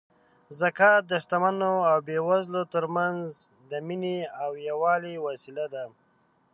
زکات د شتمنو او بېوزلو ترمنځ د مینې او یووالي وسیله ده.